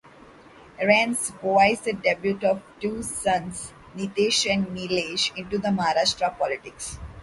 Rane supervised the debut of his two sons- Nitesh and Nilesh into Maharashtra politics.